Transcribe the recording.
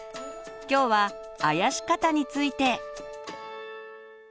今日は「あやし方」について。